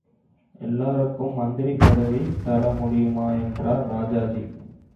எல்லோருக்கும் மந்திரி பதவி தரமுடியுமா என்றார் ராஜாஜி.